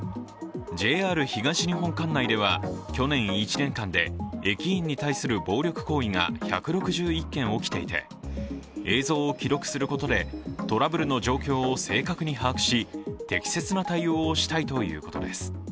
ＪＲ東日本管内では、去年１年間で駅員に対する暴力行為が１６１件起きていて映像を記録することでトラブルの状況を正確に把握し、適切な対応をしたいということです。